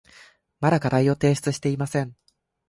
まだ課題を提出していません。